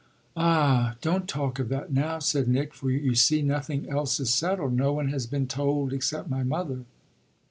"Ah don't talk of that now," said Nick, "for, you see, nothing else is settled. No one has been told except my mother.